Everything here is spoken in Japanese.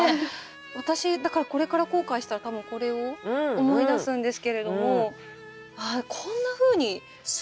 私だからこれから後悔したら多分これを思い出すんですけれどもああこんなふうに表現すると。